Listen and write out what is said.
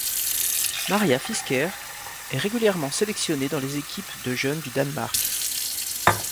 Maria Fisker est régulièrement sélectionnée dans les équipes de jeunes du Danemark.